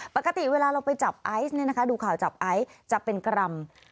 ปกติเวลาเราไปจับไอซ์ดูข่าวจับไอซ์จะเป็นกรรม